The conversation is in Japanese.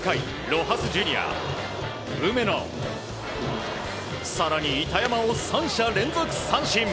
ロハス・ジュニア、梅野更に板山を３者連続三振。